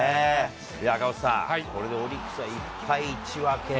赤星さん、これでオリックスは１敗１分け。